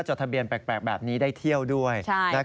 จดทะเบียนแปลกแบบนี้ได้เที่ยวด้วย